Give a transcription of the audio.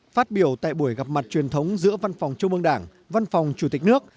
phát biểu tại buổi gặp mặt truyền thống giữa văn phòng trung ương đảng văn phòng chủ tịch nước